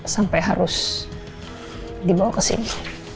sampai harus dibawa kesini